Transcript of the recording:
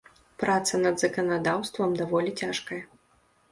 Праца над заканадаўствам даволі цяжкая.